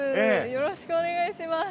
よろしくお願いします。